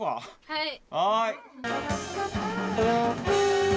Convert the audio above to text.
はい。